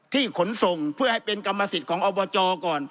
ขนส่งเพื่อให้เป็นกรรมสิทธิ์ของอบจก่อน